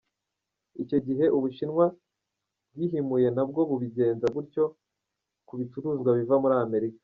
Icyo gihe Ubushinwa bwihimuye nabwo bubigenza gutyo ku bicuruzwa biva muri Amerika.